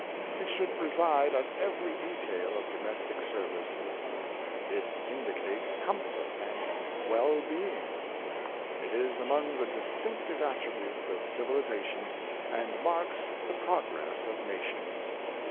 It should preside at every detail of domestic service. It indicates comfort and well being. It is among the distinctive attributes of civili zation, and marks the progress of nations.